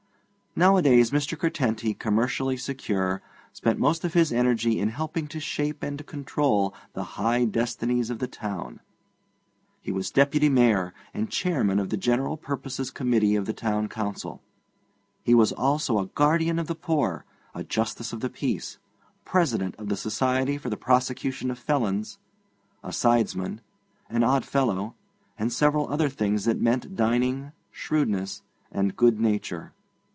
Nowadays Mr. Curtenty, commercially secure, spent most of his energy in helping to shape and control the high destinies of the town. He was Deputy Mayor, and Chairman of the General Purposes Committee of the Town Council; he was also a Guardian of the Poor, a Justice of the Peace, President of the Society for the Prosecution of Felons, a sidesman, an Oddfellow, and several other things that meant dining, shrewdness, and good nature.